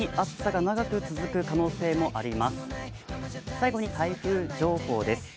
最後に台風情報です。